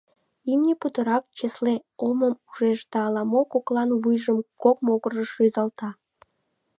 Имне путырак чесле омым ужеш да ала-мо, коклан вуйжым кок могырыш рӱзалта.